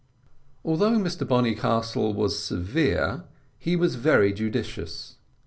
Although Mr Bonnycastle was severe, he was very judicious.